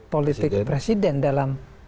politik presiden dalam